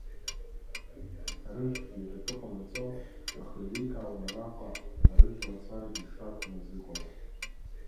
Арыжәтәгьы иара атәы ҟанаҵон, аха иеиликаауан араҟа арыжәтә мацарагьы шакәмыз иҟаз.